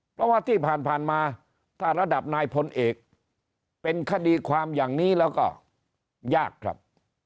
เพราะว่าที่ผ่านมาถ้าระดับนายพลเอกเป็นคดีความอย่างนี้แล้วก็ยากครับ